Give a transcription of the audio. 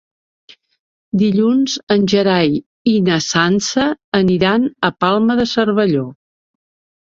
Dilluns en Gerai i na Sança aniran a la Palma de Cervelló.